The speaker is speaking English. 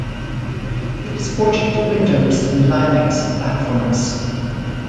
It is ported to Windows and Linux platforms.